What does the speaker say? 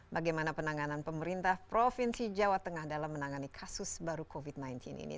bagaimana penanganan pemerintah provinsi jawa tengah dalam menangani kasus baru covid sembilan belas ini